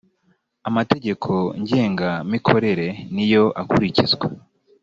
amategeko ngengamikorere niyo akurikizwa.